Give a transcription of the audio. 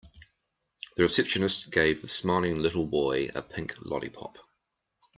The receptionist gave the smiling little boy a pink lollipop.